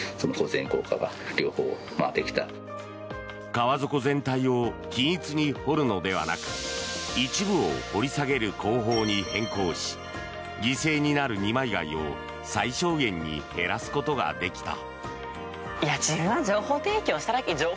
川底全体を均一に掘るのではなく一部を掘り下げる工法に変更し犠牲になる二枚貝を最小限に減らすことができた。